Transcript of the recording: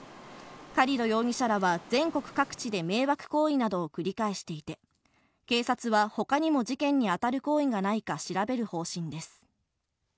カリド容疑者らは全国各地で迷惑行為などを繰り返していて、警察はほかにも事件に当たる行為がないか調べる方針です。